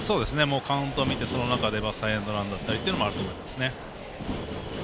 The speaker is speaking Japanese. カウントを見て、その中でバスターエンドランだったりもあると思いますね。